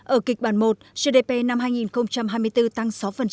ở kịch bản một gdp năm hai nghìn hai mươi bốn tăng sáu